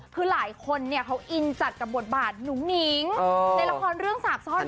คือหลายคนเนี่ยเขาอินจัดกับบทบาทหนูหนิ้ง